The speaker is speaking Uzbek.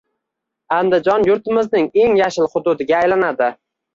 Andijon yurtimizning eng yashil hududiga aylanading